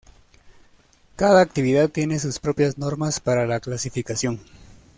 Cada actividad tiene sus propias normas para la clasificación.